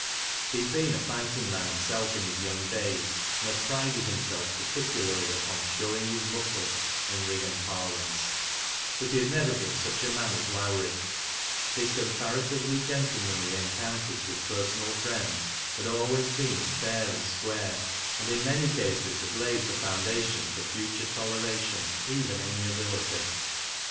He had been a fighting man himself in his young days, and had prided himself particularly upon " showing hip muscle," in Eiggan parlance, but he had never been such a man as Lowrie. His comparatively gentlemanly en counters with personal friends had always been fair and 8g[uare, and in mary cases had laid the foundation foi future toleration, even amiability.